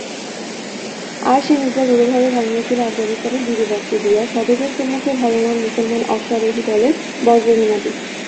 আর সে-নিদ্রা রূঢ়ভাবে ভাঙিয়াছিল আফগানিস্তানের গিরিবর্ত্ম দিয়া সবেগে সম্মুখে ধাবমান মুসলমান অশ্বারোহিদলের বজ্রনিনাদে।